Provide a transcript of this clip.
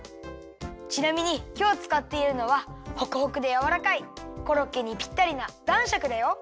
ちなみにきょうつかっているのはホクホクでやわらかいコロッケにぴったりなだんしゃくだよ。